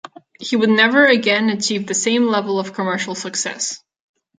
He would never again achieve the same level of commercial success.